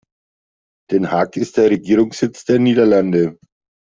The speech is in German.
Den Haag ist der Regierungssitz der Niederlande.